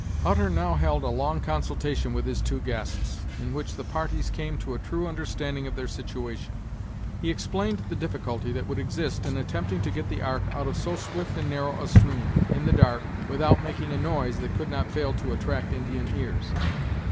Hutter now held a long consultation with his two guests, in which the parties came to a true understanding of their situation. He explained the difficulty that would exist in attempting to get the ark out of so swift and narrow a stream, in the dark, without making a noise that could not fail to attract Indian ears.